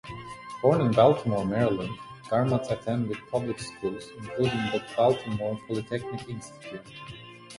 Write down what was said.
Born in Baltimore, Maryland, Garmatz attended the public schools, including the Baltimore Polytechnic Institute.